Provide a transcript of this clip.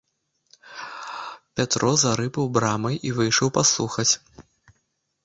Пятро зарыпаў брамай і выйшаў паслухаць.